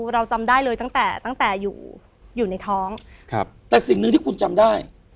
เราจำได้เลยตั้งแต่ตั้งแต่อยู่อยู่ในท้องครับแต่สิ่งหนึ่งที่คุณจำได้